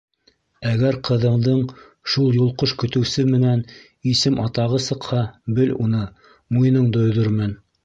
Әгәр ҡыҙыңдың шул йолҡош көтөүсе менән исем-атағы сыҡһа, бел уны, муйыныңды өҙөрмөн!